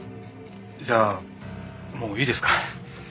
じゃあもういいですか？